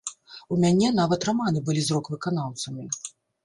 У мяне нават раманы былі з рок-выканаўцамі.